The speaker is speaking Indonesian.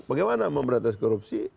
bagaimana memberantas korupsi